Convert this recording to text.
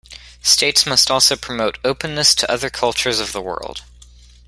States must also promote "openness to other cultures of the world".